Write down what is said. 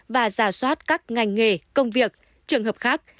và giả soát các ngành nghề công việc trường hợp khác